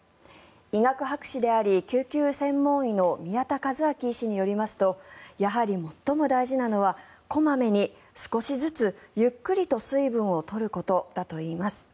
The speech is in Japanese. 医学博士であり救急専門医の宮田和明医師によりますとやはり最も大事なのは小まめに少しずつゆっくりと水分を取ることだといいます。